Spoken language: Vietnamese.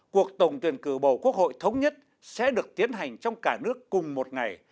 cuộc tổng tuyển cử bầu quốc hội thống nhất sẽ được tiến hành trong cả nước cùng một ngày